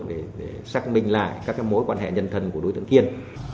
để xác minh lại các mối quan hệ nhân thân của đối tượng kiên